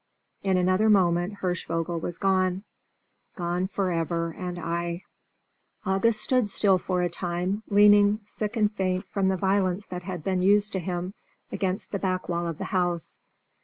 In another moment Hirschvogel was gone gone forever and aye. August stood still for a time, leaning, sick and faint from the violence that had been used to him, against the back wall of the house.